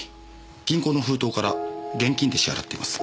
銀行の封筒から現金で支払っています。